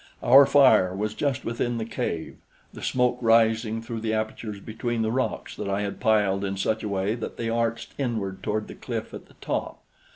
Our fire was just within the cave, the smoke rising through the apertures between the rocks that I had piled in such a way that they arched inward toward the cliff at the top.